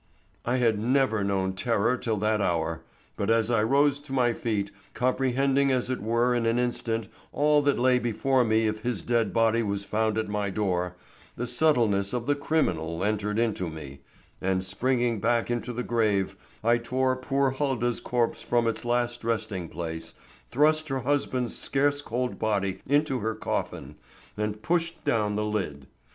"I had never known terror till that hour, but as I rose to my feet, comprehending as it were in an instant all that lay before me if his dead body was found at my door, the subtleness of the criminal entered into me, and springing back into the grave I tore poor Huldah's corpse from its last resting place, thrust her husband's scarce cold body into her coffin, and pushed down the lid.